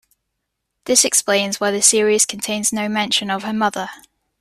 This explains why the series contains no mention of her mother.